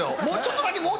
もうちょっとだけ。